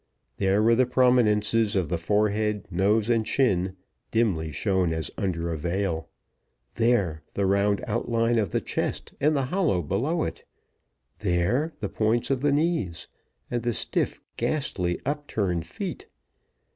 There were the prominences of the forehead, nose, and chin, dimly shown as under a veil there, the round outline of the chest and the hollow below it there, the points of the knees, and the stiff, ghastly, upturned feet.